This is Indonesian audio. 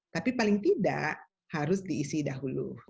tapi paling tidak harus diisi dahulu